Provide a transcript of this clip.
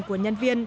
của nhân viên thu vé